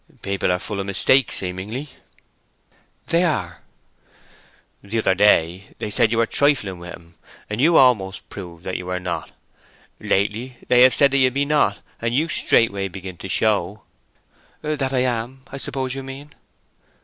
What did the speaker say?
"People are full of mistakes, seemingly." "They are." "The other day they said you were trifling with him, and you almost proved that you were not; lately they have said that you be not, and you straightway begin to show—" "That I am, I suppose you mean."